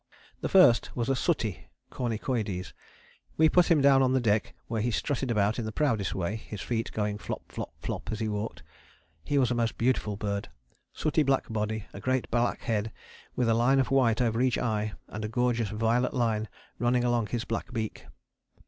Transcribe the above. The first was a 'sooty' (cornicoides). We put him down on the deck, where he strutted about in the proudest way, his feet going flop flop flop as he walked. He was a most beautiful bird, sooty black body, a great black head with a line of white over each eye and a gorgeous violet line running along his black beak.